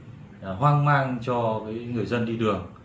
về việc này thì gây hoang mang cho người dân đi đường